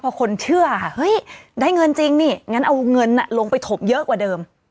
พอคนเชื่อค่ะเฮ้ยได้เงินจริงนี่งั้นเอาเงินลงไปถบเยอะกว่าเดิม